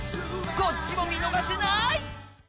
こっちも見逃せない！